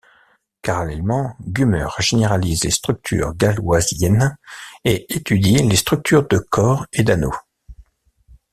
Parallèlement, Kummer généralise les structures galoisiennes et étudie les structures de corps et d'anneau.